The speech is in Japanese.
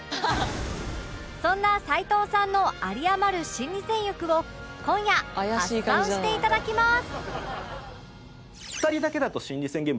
そんな齊藤さんのあり余る心理戦欲を今夜発散していただきます